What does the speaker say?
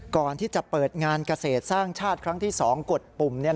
ก่อนที่จะเปิดงานเกษตรสร้างชาติครั้งที่๒กดปุ่ม